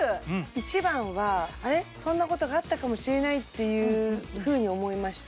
１番はあれそんなことがあったかもしれないっていうふうに思いました